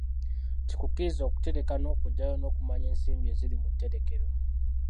Kikukkirize okutereka n'okuggyayo n'okumanya ensimbi eziri mu tterekero.